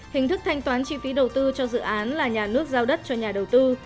hình thức thanh toán chi phí đầu tư cho dự án là nhà nước giao đất cho nhà đầu tư